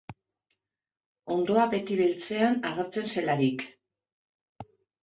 Hondoa beti beltzean agertzen zelarik.